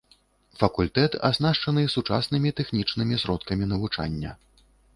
Факультэт аснашчаны сучаснымі тэхнічнымі сродкамі навучання.